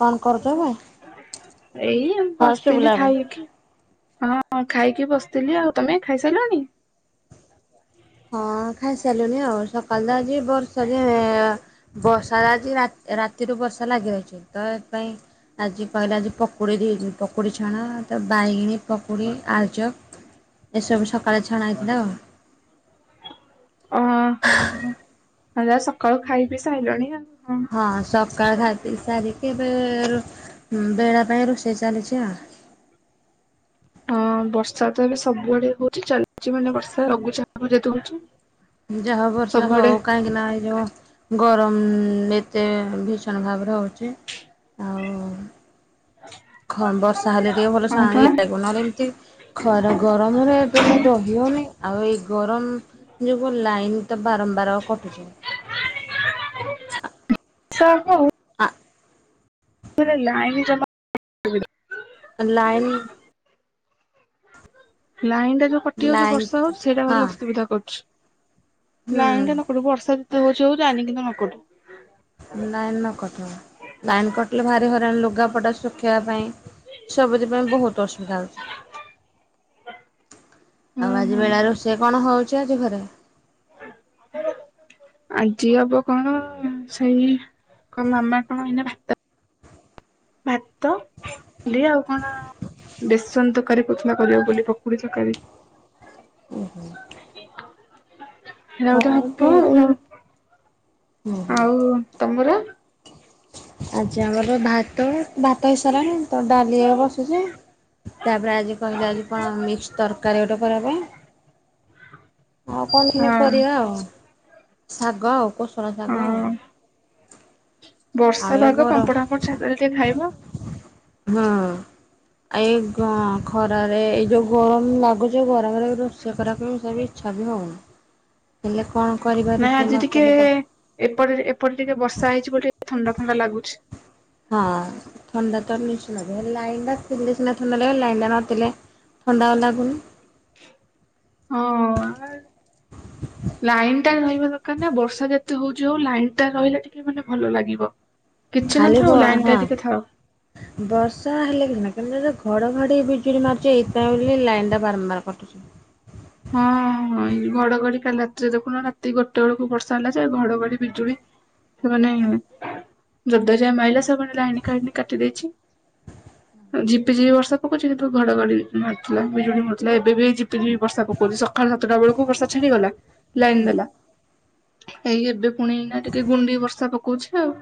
କଣ କରୁଛନ୍ତି? ଏଇ ବସିଥିଲି ଏବେ। ଖାଇକି। ହଁ ହଁ ଖାଇକି ବସିଥିଲି ଆଉ। ତମେ ଖାଇସାଇଲଣି? ହଁ ଖାଇସାଇଲିଣିି ଆଉ ସକାଳ ତ ଆଜି ବର୍ଷା ଯେ ବର୍ଷା ଆଜି ରା ରାତିରୁ ବର୍ଷା ଲାଗି ରହିଛି ତ ଏଥି ପାଇଁ ଆଜି କହିଲେ ଆଜି ପକୁଡ଼ି ଦେଇ ପକୁଡ଼ି ଛଣା ତ ବାଇଗଣୀ, ପକୁଡ଼ି, ଆଳୁଚପ୍ ଏସବୁ ସକାଳେ ଛଣା ହେଇଥିଲା ଆଉ। ଓ ହଁ ତମେ ଯା ସକାଳୁ ଖାଇ ପିଇ ସାଇଲଣି ଆଉ। ହଁ ସକାଳ ଖାଇପିଇ ସାରିକି ଏବେ ରୋ ବେଳା ପାଇଁ ରୋଷେଇ ଚାଲିଚି ଆଉ। ହଁ ବର୍ଷା ତ ଏବେ ସବୁଆଡେ ହଉଛି ଚାଲିଛି ମାନେ ବର୍ଷା ଲଘୁଚାପ ଯେହେତୁ ହଉଛି। ଯାହା ହଉ ବର୍ଷା ସବୁଆଡେ ହଉ କାହିଁକି ନା ଏଇ ଯଉ ଗରମ ଏତେ ଭୀଷଣ ଭାବରେ ହଉଛି ଆଉ ଖ ବର୍ଷା ହେଲେ ଟିକେ ଭଲ ହଁ ଶା ପା ଇଏ ଲାଗିବ ନହେଲେ ଏମିତି ଖର ଗରମରେ ଟୋଟାଲ୍ ରହିିହଉନି। ଯୋଗୁ ଲାଇନ୍ ତ ବାରମ୍ବାର ଆଉ କଟୁଚି। [unintelligible] ଆ। [unintelligible] ଲାଇନ୍ ଜମା [unintelligible] ଲାଇନ୍ ଲାଇନ୍ ଟା ଯୋଉ କଟି ଯାଉଚି ଲାଇନ୍ ବର୍ଷା ହଉଚି ସେଇଟା ହଁ ଭାରି ଅସୁବିଧା କରୁଛି। ହୁଁ ଲାଇନ୍ ଟା ନକଟୁ ବର୍ଷା ଯେତେ ହଉଛି ହଉ ଲାଇନ୍ କିନ୍ତୁ ନକଟୁ। ଲାଇନ୍ ନ କଟୁ। ଲାଇନ୍ କଟିଲେ ଭାରି ହଇରାଣ ଲୁଗାପଟା ଶୁଖେଇବା ପାଇଁ। ସବୁଥି ପାଇଁ ବହୁତ ଅସୁବିଧା ହଉଛି। ହୁଁ ଆଉ ଆଜି ହୁଁ ବେଳାରେ ରୋଷେଇ କଣ ହଉଛି ଆଜି ଘରେ? ଆଜି ହବ କଣ ସେଇ କ ମାମା କଣ ଏଇନେ ଭାତ ଭାତ [unintelligible] ଆଉ କଣ ବେଶନ୍ ତକାରୀ କହୁଥିଲା କରିବ ବୋଲି ପକୁଡି ତକାରି। ଉଁ ହୁଁ। ସେଟା ବୋଧେ ଟେ ହବ ଆଉ। ଆଉ ତମର? ଆଜି ଆମର ଭାତ, ଭାତ ହେଇସାରିଲାଣି ତ ଡାଲି ଏବେ ବସିଚି। ତାପରେ ଆଜି କହିଲା ଆଜି କଣ ମିକ୍ସ ତରକାରୀ ଗୋଟେ କରିଆ ପାଇଁ। ଆଉ କଣ କେମିତି ହଁ କରିବା ଆଉ। ଶାଗ ଆଉ କୋଷଳା ଶାଗ ଆଉ। ହଁ ଆଉ ବର୍ଷା ଏ ପାଗ ଗର ପାମ୍ପଡ଼ ହାମ୍ପଡ଼ ଛାଣି ଦେଲେ ଟିକେ ଖାଇବ। ହଁ। ଆଉ ଏଇ ଗ ଖରାରେ ଏଇ ଯୋଉ ଗରମ ଲାଗୁଛି ଗରମରେ ରୋଷେଇ କରିବାକୁ ତଥାପି ଇଚ୍ଛା ବି ହଉନି। ହେଲେ କଣ କରିବା ନାଇଁ ରୋଷେଇ ଆଜି ନ ଟିକେ କଲେ ତ ଏପଟେ ଏପଟେ ଟିକେ ବର୍ଷା ହେଇଛି ବୋଲି ଥଣ୍ଡା ଥଣ୍ଡା ଲାଗୁଛି। ହଁ ଥଣ୍ଡା [unintelligible] ଲାଇନ୍ ଟା ଥିଲେ ସିନା ଥଣ୍ଡା ଲାଗିବ। ଲାଇନ୍ ଟା ନଥିଲେ ଥଣ୍ଡା ଆଉ ଲାଗୁନି। ହଁ ଲାଇନ୍ ରହିବା ଦରକାର ନା। ବର୍ଷା ଯେତେ ହଉଛି ହଉ ଲାଇନ୍ ଟା ରହିଲେ ଟିକେ ମାନେ ଭଲ ଲାଗିବ। କିଛି ଖାଲି ବ ନଥାଉ ଲାଇନ୍ ଟା ହଁ ଟିକେ ଥାଉ। ବର୍ଷା ହେଲେ କି ନାହିଁ କିନ୍ତୁ ଯଦି ଘଡଘଡି ବିଜୁଳି ମାରୁଛି ଏଇଥିପାଇଁ ବୋଲି ଲାଇନ୍ ଟା ବାରମ୍ବାର କଟୁଛି। ହଁ। ହଁ ଏଇ ଘଡଘଡି କାଲି ରାତିରେ ଦେଖୁନ ରାତି ଗୋଟେ ବେଳକୁ ବର୍ଷା ହେଲା ଯେ ଘଡଘଡି, ବିଜୁଳି। ସେମାନେ ଯଦ ଯା ମାଇଲା ସେମାନେ ଲାଇନ୍ କା କାଟି ଦେଇଛି। ହୁଁ। ଝିପିଝିପି ବର୍ଷା ପକୋଉଚି କିନ୍ତୁ ଘଡଘଡି ମାରୁଥୁଲା ବିଜୁଳି ମାରୁଥିଲା ଏବେ ବି ଝିପିଝିପି ବର୍ଷା ପ କଉଚି ସକାଳ ସାତଟା ବେଳକୁ ବର୍ଷା ଛାଡିଗଲା ଲାଇନ ହୁଁ। ଦେଲା। ଏଇ ଏବେ ପୁଣି ଏନା ଟିକେ ଗୁଣ୍ଡି ବର୍ଷା ପକୋଉଛି ଆଉ।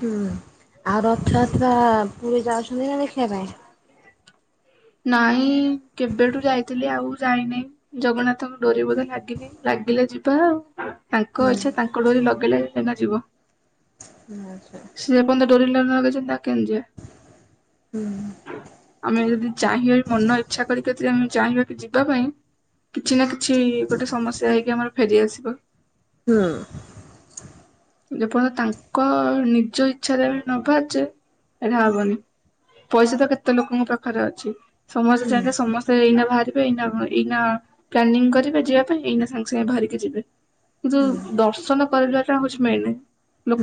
ହୁଁ ଆଉ ରଥଯାତ୍ରା ପୁରୀ ଯାଉଛନ୍ତି ନା ଦେଖିବା ପାଇଁ? ନାଇଁ କେବେଠୁ ଯାଇଥିଲି ଆଉ ଯାଇନି। ଜଗନ୍ନାଥଙ୍କ ଡୋରି ବୋଧେ ଲାଗିନି ଲାଗିଲେ ଯିବା ଆଉ। ତାଙ୍କ ଇଚ୍ଛା ହୁଁ ତାଙ୍କ ଡୋରି ଲଗେଇଲେ ଏକା ଯିବ। ହୁଁ ହୁଁ। ସିଏ ଯେ ପର୍ଯ୍ୟନ୍ତ ଡୋରି ନ ଲଗେଇଚନ୍ତି ଆଉ କେମତି ଯିବା। ହୁଁ। ଆମେ ଯଦି ଚାହିଁବା ମନ ଇଛା କରି କରି ଯେ ଆମ ଚାହିଁବା ବି ଯିବା ପାଇଁ କିଛି ନା କିଛି ଗୋଟେ ସମସ୍ୟା ହେଇକି ଆମର ଫେରିଆସିବ। ହୁଁ। ଯେପର୍ଯ୍ୟନ୍ତ ତାଙ୍କ ନିଜ ଇଛାରେ ନ ବାହାରଚେ ଏଟା ହବନି। ପଇସା ତ କେତେ ଲୋକଙ୍କ ପାଖରେ ଅଛି ସମସ୍ତେ ହୁଁ ଚାହିଁଲେ ସମସ୍ତେ ଏଇନା ଭାରି ଏଇନା ଆମର ପ୍ଲାନିଂ କରିବେ ଯିବାପାଇଁ ଏଇନା ସାଙ୍ଗେ ସାଙ୍ଗେ ବାହାରିକି ଯିବେ ଯୋଉ ହୁଁ ଦର୍ଶନ କରିବାଟା ଆମର ହୋଉଚି ମେନ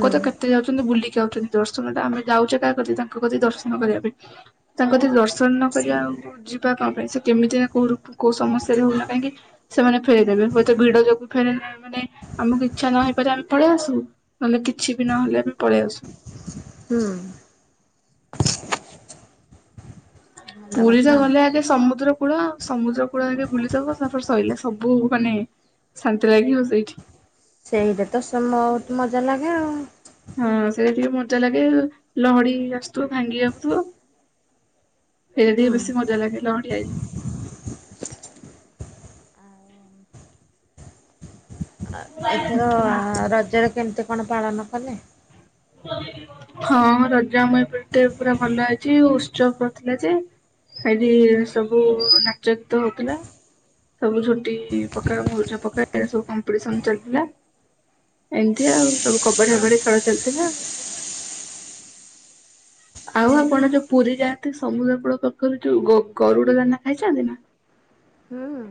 ହୁଁ ତ କେତେ ଯାଉଚନ୍ତି ବୁଲିକି ଆଉଚନ୍ତି। ଦର୍ଶନଟା ଆମେ ଯାଉଚେ କାହା କତିକି ତାଙ୍କ କତିକି ଦର୍ଶନ କରିବା ପାଇଁ ତାଙ୍କ କତିକି ଦର୍ଶନ ନ କରିବା ଆଉ ଯିବା କଣ ପାଇଁ ସେ କେମିତିଆ କୋଉ ରୁପ କୋଉ ସମସ୍ୟାରେ ହୋଉନା କାହିଁକି ସେମାନେ ଫେରିଦେବେ ହୁଏତ ଭିଡ ଯୋଗୁ ଫେରେ ମାନେ ଆମକୁ ଇଛା ନ ହେଇପାରେ ଆମେ ପଳେଇ ଆସୁ ମାନେ କିଛି ବି ନହେଲେ ବି ପଳେଆସୁ। ହୁଁ। ଭଲ ପୁରୀ ତ କଥା ଗଲେ ଆଗେ ସମୁଦ୍ର କୂଳ ସମୁଦ୍ର କୂଳ ଆଗେ ବୁଲିଦବ ତାପରେ ସଇଲା ସବୁ ମାନେ ଶାନ୍ତି ଲାଗିବ ସେଇଠି। ସେଇଟା ତ ସେ ବୋହୁତ ମଜା ଲାଗେ ଆଉ। ହଁ ସେଇ ଟିକେ ମଜା ଲାଗେ ଲହଡି ଆସୁଥୁବ ଭାଙ୍ଗି ଆସୁଥିବ। ସେଟା ଟିକେ ହୁଁ ବେଶୀ ମଜା ଲାଗେ ଲହଡି ଆଇଲେ। ଏଥର ରଜରେ କେମତି କଣ ପାଳନ କଲେ? ହଁ ରଜ ଆମ ଏପଟେ ପୁରା ଭଲ ଅଛି ଉତ୍ସବ ପଡ଼ିଥିଲା ଯେ ସେଇଠି ସବୁ ନାଚ ଗୀତ ହୋଉଥୁଲା। ସବୁ ଝୋଟି ପକା ମୁରୁଜ ପକା ଏରା ସବୁ କମ୍ପିଟିସନ ଚାଲିଥିଲା। ଏମିତିଆ ଆଉ ସବୁ କବାଡି ଫବାଡି ଖେଳ ଚାଲିଥିଲା ଆଉ। ଆଉ ଆପଣ ଯୋଉ ପୁରୀ ଯାଆନ୍ତି ସମୁଦ୍ର କୂଳ ପାଖରୁ ଯୋଉ ଗ ଗରୁଡ ଦାନା ଖାଇଚନ୍ତି ନା? ହୁଁ ହୁଁ।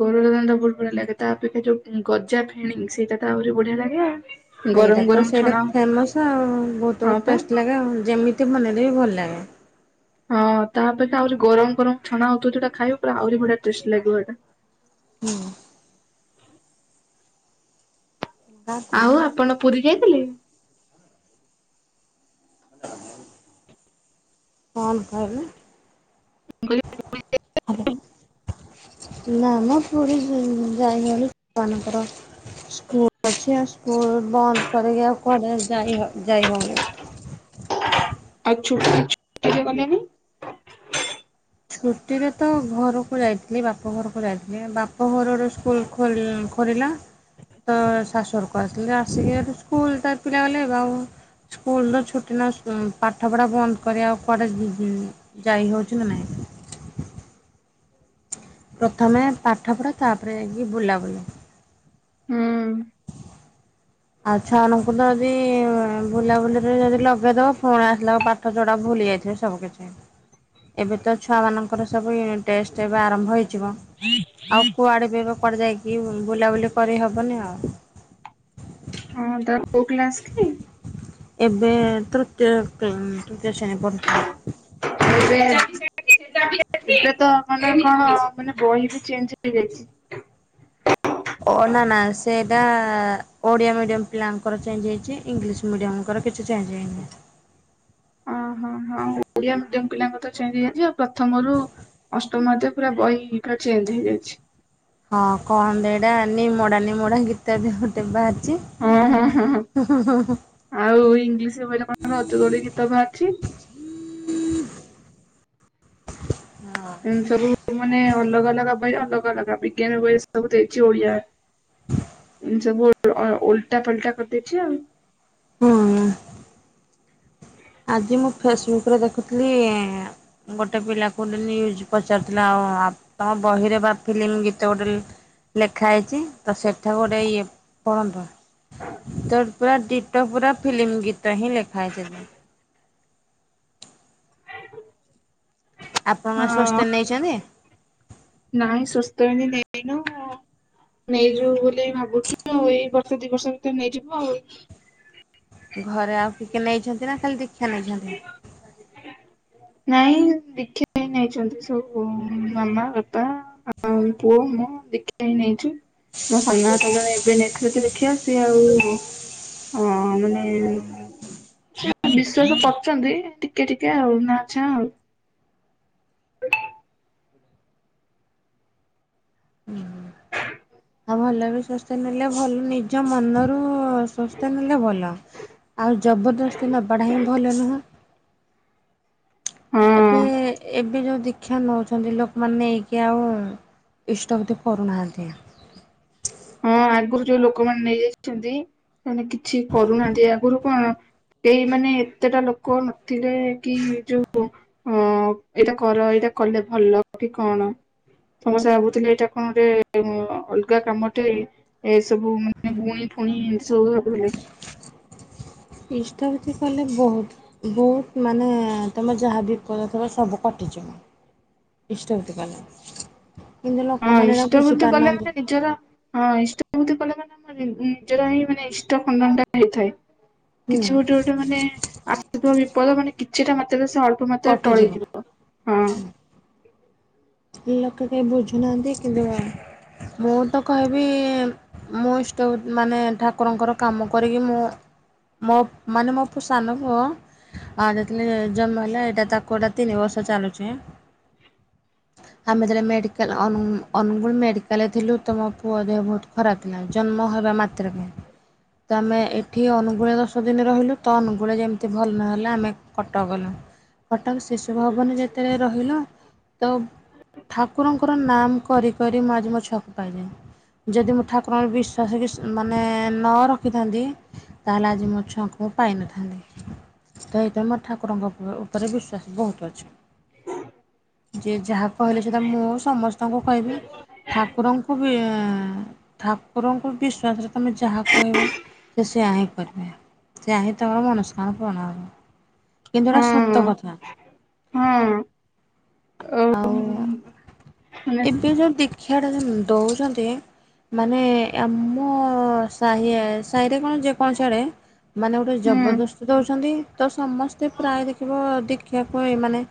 ଗରୁଡଦାନା ବୋହୁତ ବଢିଆ ଲାଗେ ତାପରେ ଯୋଉ ଗଜା ଫେଣି ସେଇଟା ତ ଆହୁରି ବଢିଆ ଲାଗେ। ଗରମ ସେଇଟା ତ ଗରମ ସେଇଟା ଛଣା ଫେମସ ଆଉ ବୋହୁତ ହଁ ପା। ଟେଷ୍ଟ ଲାଗେ ଯେମିତି ବନେଇଲେ ବି ଭଲ ଲାଗେ। ହଁ ତାପରେ ତ ଆହୁରି ଗରମ ଗରମ ଛଣା ହୋଉଥୁବ ଯେଉଟା ଖାଇବ ପୁରା ଆହୁରି ବଢିଆ ଟେଷ୍ଟ ଲାଗିବ ଏଇଟା। ହୁଁ। ଆଉ ଆପଣ ପୁରୀ ଯାଇଥିଲେ? କଣ କହିଲ? [unintelligible] ନାମ ପୁରୀ ଯ ଯାଇନାହିଁ [unintelligible] ସ୍କୁଲ ଅଛି ଆଉ ସ୍କୁଲ ବନ୍ଦ କରିିକି କୁଆଡେ ଯାଇ ଯାଇହୋଉନି। ଆଉ ଛୁଟି ଛୁଟିରେ ଗଲେନି। ଛୁଟିରେ ତ ଘରକୁ ଯାଇଥିଲି ବାପ ଘରକୁ ଯାଇଥିଲି ବାପ ଘରର ସ୍କୁଲ ଖୋଲ୍ ଖୋଲିଲା। ଅଁ ଶାଶୁଘରୁକୁ ଆସିଲା ଆସିକି ହେଟୁ ସ୍କୁଲ ତା ପିଲା ଗଲେ ଏବେ ଆଉ ସ୍କୁଲର ଛୁଟି ଲାସ୍ ଉଁ ପାଠପଢା ବନ୍ଦ କରି ଆଉ କୁଆଡେ ଯିବିନି। ଯାଇ ହଉଚୁ ନା ନାଇଁ? ପ୍ରଥମେ ପାଠପଢା ତାପରେ ଯାଇକି ବୁଲାବୁଲି। ହଁ ଆଉ ଛୁଆମାନଙ୍କୁ ତ ଯଦି ଇଁ ବୁଲାବୁଲିରେ ଯଦି ଲଗେଇଦବ ପୁଣି ଆସିଲା ବେ ପା ଠ ଛଡା ଭୁଲି ଯାଇଥିବେ ସବୁକିଛି। ଏବେ ତ ଛୁଆମାନଙ୍କର ସବୁ ୟୁନିଟ ଟେଷ୍ଟ ଏବେ ଆରମ୍ଭ ହେଇଯିବ। ଆଉ କୁଆଡେ ବି ଏବେ କୁଆଡେ ଯାଇକି ବୁ-ବୁଲାବୁଲି କରିହବନି ଆଉ। ହଁ ତାର କୋଉ କ୍ଲାସ କି? ଏବେ ତୃତୀୟ କ୍ଲା ତୃତୀୟ ଶ୍ରେଣୀରେ ପଢୁଚି। ସେ ତ ଖଣ୍ଡେ କଣ ମାନେ ବହି ବି ଚେଞ୍ଜ ହେଇଯାଇଚି। ଓ ନା ନା ସେଇଟା ଓଡିଆ ମିଡିୟମ ପିଲାଙ୍କର ଚେଞ୍ଜ ହେଇଚି ଇଂଲିଶ ମିଡିୟମଙ୍କର କିଛି ଚେଞ୍ଜ ହେଇନି। ଅଁ ହଁ ହଁ ଓଡିଆ ମିଡିୟମ ପିଲାଙ୍କର ତ ଚେଞ୍ଜ ହେଇଯାଇଚି ଆଉ ପ୍ରଥମରୁ ଅଷ୍ଟମ ଯେ ପୁରା ବହି ପୁରା ଚେଞ୍ଜ ହେଇଯାଇଛି। ହଁ କଣ ଯେ ଏଇଟା ନିମୋଡା ନିମୋଡା ଗୀତ ବି ଗୋଟେ ବାହାରିଚି। ହଁ ହଁ ହଁ ହଁ ଆଉ ଇଂଲିଶ ବହିରେ କଣ ରଜଦୋଳି ଗୀତ ବାହାରିଚି। ହଁ। ଏମତି ସବୁ ମାନେ ଅଲଗା ଅଲଗା ବହିରେ ଅଲଗା ଅଲଗା ବିଜ୍ଞାନ ବହିରେ ସବୁ ଦେଇଛି ଓଡିଆ। ହ ସବୁ ଓ ଳ ଅ ଓଲଟା ପାଲଟା କରିଦେଇଛି ଆଉ। ହଁ [unintelligible] ଆଜି ମୁଁ ଫେସବୁକରେ ଦେଖୁଥିଲି ଇଁ ଗୋଟେ ପିଲାକୁ [unintelligible] ନ୍ୟୁଜ୍ ପଚାରୁଥିଲା ଆଉ ତମ ବହିରେ ବା ଫିଲ୍ମ ଗୀତ ଗୋଟେ ଲି ଲେଖା ହେଇଛି ତ ସେଠାକୁ ଗୋଟେ ଇଏ ପଢନ୍ତୁ। ତୋର ପୁରା ଡିଟୋ ପୁରା ଫିଲ୍ମ ଗୀତ ହିଁ ଲେଖା ହେଇଚି ଏଥିରେ। ଆପଣମାନେ ହଁ ସ୍ବସ୍ତି ନେଇଛନ୍ତି? ନାଇଁ ସ୍ଵସ୍ତ ଆମେ ନେଇନୁ। ନେଇଯିବୁ ବୋଲି ବି ଭାବୁଛୁ ଏଇ ବର୍ଷେ ଦି ବର୍ଷ ଭିତରେ ନେଇଯିବୁ ଆଉ। ଘରେ ଆଉ କିଏ କିଏ ନେଇଛନ୍ତି ନା ଖାଲି ଦୀକ୍ଷା ନେଇଛନ୍ତି? ନାଇଁ ଦୀକ୍ଷା ନେଇଯାଇଛନ୍ତି ସବୁ ଉଁ ମାମା ବାପା। ଆଉ ପୁଅ ମୁଁ ଦୀକ୍ଷା ନେଇଛୁ। ମୋ ସାନାଆପା ଜଣେ ଏବେ ନେଇଥିଲେ ଯେ ଦୀକ୍ଷା ସିଏ ଆଉ ଅଁ ମାନେ ସିଏ ବିଶ୍ଵାସ କରୁଚନ୍ତି ଟିକେ ଟିକେ ଆଉ ନା ଛା ଆଉ। ହୁଁ ହୁଁ। ଆଉ ଭଲ ବି ସ୍ଵସ୍ତିକ୍ ନେଲେ ଭଲ ନିଜ ମନରୁ ସ୍ବସ୍ତେ ନେଲେ ଭଲ। ଆଉ ଜବରଦସ୍ତି ନବାଟା ହିଁ ଭଲ ନୁହଁ। ଏବେ ହଁ। ଏବେ ଯୋଉ ଦୀ କ୍ଷା ନଉଛନ୍ତି ଲୋକମାନେ ନେଇକି ଆଉ ଇଷ୍ଟବୁତ୍ତି କରୁନାହାଁନ୍ତି। ହଁ ଆଗୁରୁ ଯୋଉ ଲୋକମାନେ ନେଇଯାଇଛନ୍ତି ସେମାନେ କିଛି କରୁନାହାଁନ୍ତି ଆଗୁରୁ କଣ କେହି ମାନେ ଏତେଟା ଲୋକ ନଥିଲେ କି ଯୋଉ ହଁ ଏଇଟା କର ଏଇଟା କଲେ ଭଲ କି କଣ। ସମସ୍ତେ ଭାବୁଥିଲେ ଏଇଟା କଣ ଗୋଟେ ଏ ଅ ଅଲଗା କାମ। ହୁ। ଏ ସବୁ ମାନେ ଗୁଣି ଫୁଣିି ଉ ହୁଏ। [unintelligible] କଲେ ବହୁତ। ବହୁତ ମାନେ ତମର ଯାହା ବିପଦ ଥିବ ସବୁ କଟିଯିବ। [unintelligible] ହଁ ଲୋକମାନେ ଏରା ଇଷ୍ଟ ବୃର୍ତ୍ତି କଲେ ବୁଝିପାରୁନାହାନ୍ତି। ମାନେ ନିଜର ହଁ ଇଷ୍ଟ ଏମିତି କଲେ ମାନେ ଆମ ନିଜର ହିଁ ମାନେ ଇଷ୍ଟ ଖଣ୍ଡନଟା ହେଇଥାଏ। ହୁଁ କିଛି ଗୋଟେ ଗୋଟେ ମାନେ ଆସୁଥିବ ବିପଦ ମାନେ କିଛିଟା ମାତ୍ରା ରେ ସେ ଅଳ ଅଳ୍ପ ମାତ୍ରାରେ କଟିଯିବ। ଟଳିଯିବ, ହଁ। ଲୋକେ କେହି ବୁଝୁନାହାନ୍ତି କିନ୍ତୁ, ମୁଁ ତ କହିବି ମୁଁ ଇଷ୍ଟ ମାନେ ଠାକୁରଙ୍କର କାମ କରିକି ମୁଁ ମୋ ମାନେ ମୋ ସାନ ପୁଅ ଆ ଯେତେବେଳେ ଜନ୍ମ ହେଲା ଏଇଟା ତାକୁ ଏଇଟା ତିନି ବର୍ଷ ଚାଲୁଛି। ଆମେ ଯେତେବେଳେ ମେଡ଼ିକାଲ ଅନ୍ ଅନୁଗୁଳ ମେଡ଼ିକାଲରେ ଥିଲୁ ତ ମୋ ପୁଅ ଦେହ ବହୁତ ଖରାପଥିଲା ଜନ୍ମ ହେବା ମାତ୍ରକେ। ତ ଆମେ ଏଠି ଅନୁଗୁଳୁ ରେ ଦଶ ଦିନ ରହିଲୁ। ତ ଅନୁଗୁଳରେ ଯେମିତି ଭଲ ନହେଲା ଆମେ କଟକ ଗଲୁ। କଟକ ଶିଶୁ ଭବନରେ ଯେତେବେଳେ ରହିଲୁ ତ ଠାକୁରଙ୍କର ନାମ କରି କରି ମୁଁ ଆଜି ମୋ ଛୁଆକୁ ପାଇଯାଇଛି। ଯଦି ମୁଁ ଠାକୁରଙ୍କ ଉପରେ ବିଶ୍ଵାସ କି ମାନେ ନ ରଖିଥାନ୍ତି ତାହେଲେ ଆଜି ମୋ ଛୁଆଙ୍କୁ ମୁଁ ପାଇନଥାନ୍ତି। ତ ହେଇଥିପାଇଁ ମୋର ଠାକୁରଙ୍କ ଉପରେ ବିଶ୍ୱାସ ବହୁତ ଅଛି। ଯିଏ ଯାହା କହିଲେ ସେଟା ମୁଁ ସମସ୍ତଙ୍କୁ କହିବି ଠାକୁରଙ୍କୁ ବି ଠାକୁରଙ୍କୁ ବିଶ୍ଵାସରେ ତମେ ଯାହା କହିବ। ସେ ସେଇଆ ହିଁ କରିବେ। ସେଇଆ ହିଁ ତମର ମନସ୍କାମନା ପୂରଣ ହବ। କିନ୍ତୁ ଏଇଟା ସତ ହଁ କଥା। ହଁ। ଅ ଆଉ, ମାନେ ଏବେ ଯୋଉ ଦୀକ୍ଷା ଟା ଯୋଉ ଦଉଛନ୍ତି। ମାନେ ଆମ ସାହି ସାହିରେ କଣ ଯେକୌଣସି ଆଡେ ମାନେ ଗୋଟେ ହୁଁ ଜବରଦସ୍ତ ଦେଉଛନ୍ତି ତ ସମସ୍ତେ ପ୍ରାୟ ଦେଖିବ ଦେଖିବାକୁ ଏ ମାନେ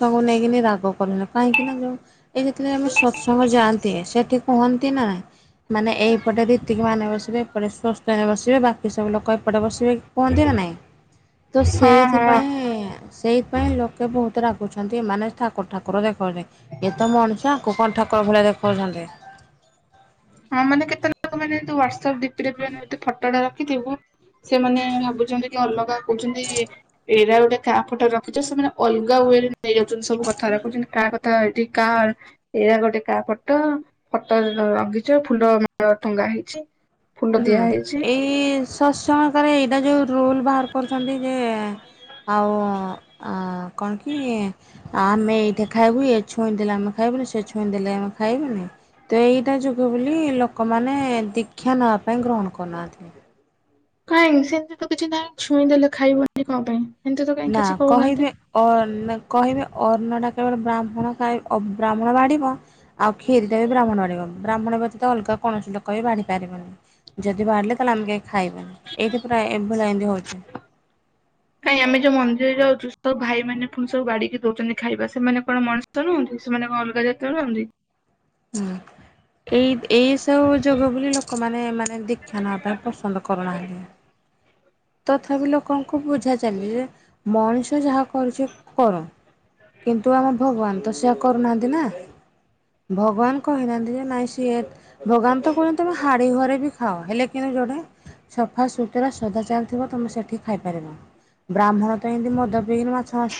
ତାକୁ ନେଇକିନି ରାଗ କଲେଣି। କାହିଁକିନା ଯୋଉ ଏଇ ଯେତେବେଳେ ଆମେ ସତ୍ସଙ୍ଗ ଯାଆନ୍ତି ସେଠି କୁହନ୍ତି ନା ମାନେ ଏଇପଟେ ଏତିକି ମାନେ ବସିବେ ଏପଟେ ସୁସ୍ଥରେ ବସିବେ ବାକି ସବୁ ଲୋକ ଏପଟେ ବସିବେ କୁହନ୍ତି ନା ନାଇଁ। ତ ହଁ ହଁ ସେଇଥିପାଇଁ ସେଇଥିପାଇଁ ଲୋକେ ବହୁତ ରାଗ ଏମାନେ ଠାକୁର ଠାକୁର ଦେଖାଉଛନ୍ତି ଏ ତ ମଣିଷ ଆଙ୍କୁ କଣ ଠାକୁର ଭଳିଆ ଦେଖଉଛନ୍ତି। ହଁ ମାନେ କେତେ ଲୋକ ମାନେ ଏମିତି ହ୍ଵାଟ୍ସପ୍ ଡିପିରେ ବି ଆମେ ଏମିତି ଫଟୋଟା ରଖିଥିବୁ ସେମାନେ ଭାବୁଛନ୍ତି କି ଅଲଗା କହୁଛନ୍ତି ଏଇରା ଗୋଟେ କାହା ଫଟୋ ରଖିଛ ସେମାନେ ଅଲଗା ୱେରେ ନେଇଯାଉଛନ୍ତି ସବୁ କଥାଗୁରା। କହୁଛନ୍ତି କାହା ତ ଏଠି କାହା ଏଇରା ଗୋଟେ କାହା ଫଟ ଫଟୋରେ ରଙ୍ଗି ଫୁଲମାଳ ଟଙ୍ଗା ହେଇଛି। ଫୁଲ ହୁଁ ଦିଆ ହେଇଛି ଏଇ ସତ୍ସଙ୍ଗ ରେ ଏଇଟା ଯୋଉ ରୁଲ୍ ବାହାର କରୁଛନ୍ତି ଯେ ଆଉ ଆ କଣ କି ଆଉ ଆମେ ଏଇଠେ ଖାଇବୁ ଇଏ ଛୁଇଁ ଦେଲେ ଆମେ ଖାଇବୁନୁ ସେ ଛୁଇଁ ଦେଲେ ଆମେ ଖାଇବୁନି। ତ ଏଇଟା ଯୋଗୁ ବୋଲି ଲୋକମାନେ ଦୀକ୍ଷା ନେବା ପାଇଁ ଗ୍ରହଣ କରୁନାହାନ୍ତି। କାଇଁକି ସେମିତି ତ କିଛି ନାହିଁ ଛୁଇଁ ଦେଲେ ଖାଇବନି କଣ ପାଇଁ, ଏମିତି ତ କାଇଁ ନା କିଛି କହିବେ କହୁନାହାନ୍ତି। ଅ କହିବେ ଅର୍ଣ୍ଣ ଟା କେବଳ ବ୍ରାହ୍ମଣ ଖାଇ ଅ ବ୍ରାହ୍ମଣ ବାଢ଼ିବ। ଆଉ କ୍ଷୀରି ଟା ବି ବ୍ରାହ୍ମଣ ବାଢ଼ିବ। ବ୍ରାହ୍ମଣ ବ୍ୟତୀତ ଅଲଗା କୌଣସି ଲୋକବି ବାଢି ପାରିବନି। ଯଦି ବାହାରିଲେ ତାହେଲେ ଆମେ ଯାଇ ଖାଇବା। ଏଇଠି ପ୍ରାୟ ଏ ଭଳିଆ ଏମତି ହଉଚି। କାଇଁ ଆମେ ଯୋଉ ମନ୍ଦିର ଯାଉଚୁ ସବୁ ଭାଇ ମାନେ ପୁଣି ସବୁ ବାଢିକି ଦଉଛନ୍ତି ଖାଇବା ସେମାନେ କଣ ମଣି ଷ ନୁହନ୍ତି ସେମାନେ କଣ ଅଲଗା ଯାତିର ନାହନ୍ତି। ହୁଁ। ଏଇ ଏଇ ସବୁ ଯୋଗ ବୋଲି ଲୋକମାନେ ମାନେ ଦୀକ୍ଷା ନେବା ପାଇଁ ପସନ୍ଦ କରୁନାହାନ୍ତି। ତଥାପି ଲୋକଙ୍କୁ ବୁଝା ଚାଲେ ଯେ ମଣିଷ ଯାହା କରଛି କରୁ। କିନ୍ତୁ ଆମ ଭଗବାନ ତ ସେଇଆ କରୁନାହାନ୍ତି ନା। ଭଗବାନ କହିନାହାନ୍ତି ଯେ ନାଇଁ ସିଏ ଭଗବାନ ତ କହୁଛନ୍ତି ତମେ ହାଡି ଘରେ ବି ଖାଅ। ହେଲେ କିନ୍ତୁ ଯୋଉଠେ ସଫାସୁତୁରା ସଦାଚାଲ୍ ଥିବ ତମେ ସେଠି ଖାଇପାରିବ। ବ୍ରାହ୍ମଣ ତ ଏମିତି ମଦ ପିଇକିରି ମାଛ ମାଂସ